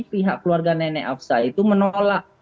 pihak keluarga nenek afsa itu menolak